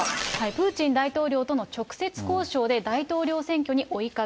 プーチン大統領との直接交渉で大統領選挙に追い風。